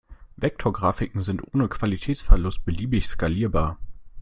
Vektorgrafiken sind ohne Qualitätsverlust beliebig skalierbar.